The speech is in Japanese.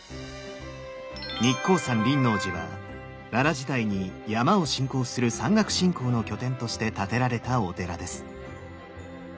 日光山輪王寺は奈良時代に山を信仰する山岳信仰の拠点として建てられたお寺です。